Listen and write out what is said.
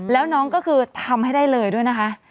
แล้วน้องก็คือทำให้ได้เลยด้วยนะคะ